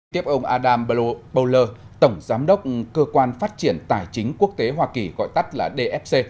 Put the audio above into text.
tiếp ông adam browler tổng giám đốc cơ quan phát triển tài chính quốc tế hoa kỳ gọi tắt là dfc